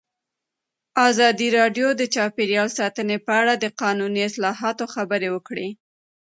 ازادي راډیو د چاپیریال ساتنه په اړه د قانوني اصلاحاتو خبر ورکړی.